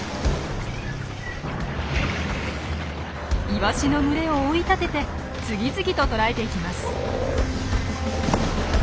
イワシの群れを追い立てて次々と捕らえていきます。